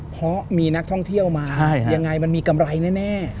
เพราะมีนักท่องเที่ยวมายังไงมันมีกำไรแน่